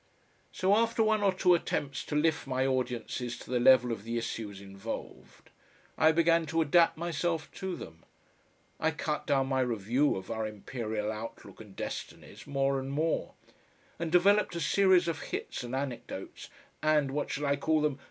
So after one or two attempts to lift my audiences to the level of the issues involved, I began to adapt myself to them. I cut down my review of our imperial outlook and destinies more and more, and developed a series of hits and anecdotes and what shall I call them?